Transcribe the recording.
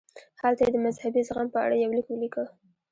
هلته یې د مذهبي زغم په اړه یو لیک ولیکه.